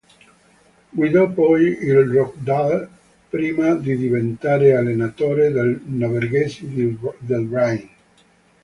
Guidò poi il Rochdale, prima di diventare allenatore dei norvegesi del Bryne.